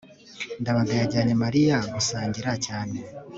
ndabaga yajyanye mariya gusangira cyane